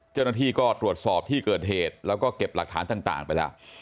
เจ้าหน้าที่ก็ตรวจสอบที่เกิดเหตุแล้วก็เก็บหลักฐานต่างไปแล้ว